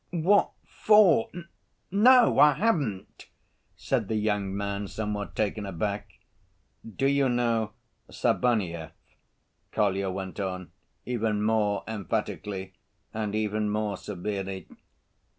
What for? No, I haven't," said the young man, somewhat taken aback. "Do you know Sabaneyev?" Kolya went on even more emphatically and even more severely.